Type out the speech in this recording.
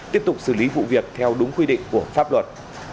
tiếp tục xử lý vụ việc theo đúng quy định của pháp luật